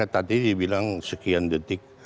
tadi dibilang sekian detik